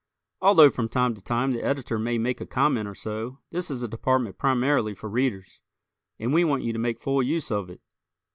Although from time to time the Editor may make a comment or so, this is a department primarily for Readers, and we want you to make full use of it.